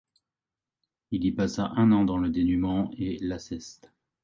Il y passa un an dans le dénuement et l'ascèse.